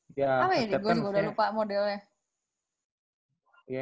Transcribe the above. apa ya di gue juga udah lupa modelnya